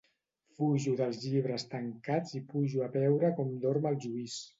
Fujo dels llibres tancats i pujo a veure com dorm el Lluís.